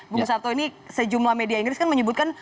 bung satto ini sejumlah media inggris kan menyebutkan